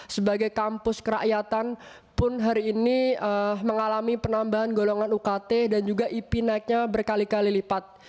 sebagai kampus kerakyatan pun hari ini mengalami penambahan golongan ukt dan juga ip naiknya berkali kali lipat